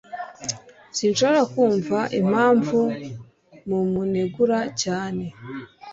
Sinshobora kumva impamvu mumunegura cyane.